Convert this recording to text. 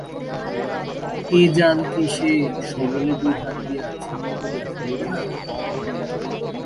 এ জাল কি সে সবলে দুই হাত দিয়া ছিন্ন করিয়া ফেলিবে না?